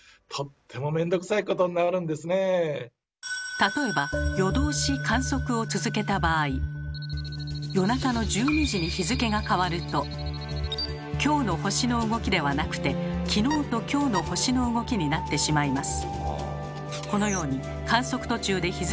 例えば夜中の１２時に日付が変わるときょうの星の動きではなくてきのうときょうの星の動きになってしまいます。